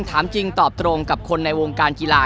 ถามจริงตอบตรงกับคนในวงการกีฬา